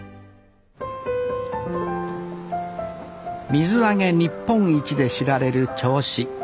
水揚げ日本一で知られる銚子。